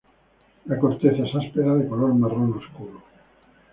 La corteza es áspera, de color marrón oscuro.